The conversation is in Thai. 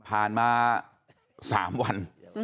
ผ่านมา๓วัน